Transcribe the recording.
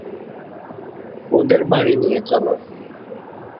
ওদের বাড়ি নিয়ে চলো!